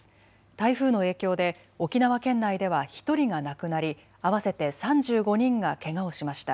台風の影響で沖縄県内では１人が亡くなり合わせて３５人がけがをしました。